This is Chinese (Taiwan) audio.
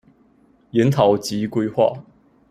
研討及規劃